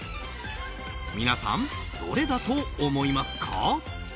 皆さん、どれだと思いますか？